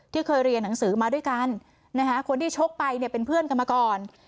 เคยเรียนหนังสือมาด้วยกันนะคะคนที่ชกไปเนี่ยเป็นเพื่อนกันมาก่อน